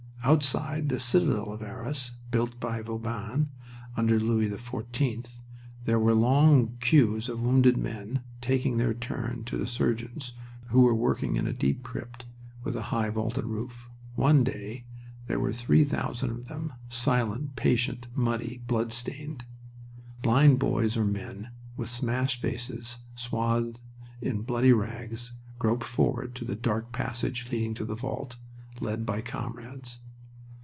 Outside the Citadel of Arras, built by Vauban under Louis XIV, there were long queues of wounded men taking their turn to the surgeons who were working in a deep crypt with a high vaulted roof. One day there were three thousand of them, silent, patient, muddy, blood stained. Blind boys or men with smashed faces swathed in bloody rags groped forward to the dark passage leading to the vault, led by comrades.